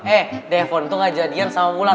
eh depon itu gak jadian sama wulan